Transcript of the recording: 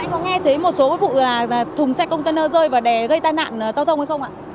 anh có nghe thấy một số vụ là thùng xe container rơi và đè gây tai nạn giao thông hay không ạ